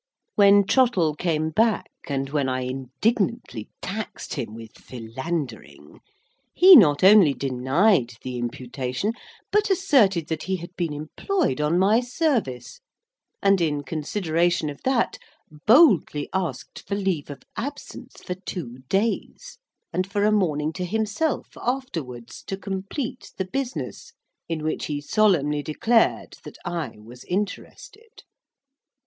When Trottle came back, and when I indignantly taxed him with Philandering, he not only denied the imputation, but asserted that he had been employed on my service, and, in consideration of that, boldly asked for leave of absence for two days, and for a morning to himself afterwards, to complete the business, in which he solemnly declared that I was interested.